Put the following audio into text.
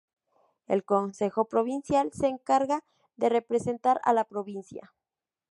El Consejo Provincial se encarga de representar a la provincia.